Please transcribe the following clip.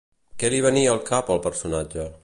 Què li venia al cap al personatge?